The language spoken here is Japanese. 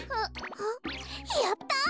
あっやった。